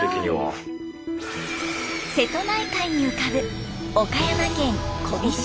瀬戸内海に浮かぶ岡山県小飛島。